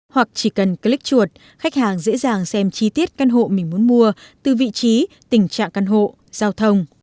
hoặc chỉ cần click chuột khách hàng dễ dàng xem chi tiết căn hộ mình muốn mua từ vị trí tình trạng căn hộ giao thông